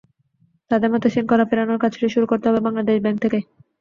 তাঁদের মতে, শৃঙ্খলা ফেরানোর কাজটি শুরু করতে হবে বাংলাদেশ ব্যাংক থেকেই।